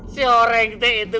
si orang itu itu